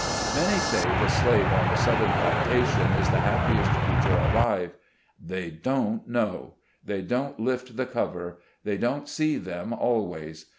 Many say the slave on the southern plantation is the happiest creature alive. They don't know ; they don't lift the cover; they don't see them always.